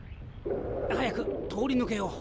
早く通り抜けよう。